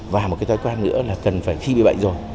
và một cái toái quan nữa là cần phải khi bị bệnh rồi